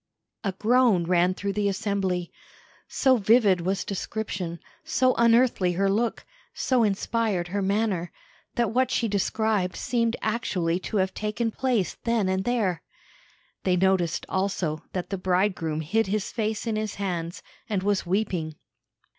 A groan ran through the assembly. So vivid was description, so unearthly her look, so inspired her manner, that what she described seemed actually to have taken place then and there. They noticed, also, that the bridegroom hid his face in his hands, and was weeping.